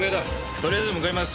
とりあえず向かいます。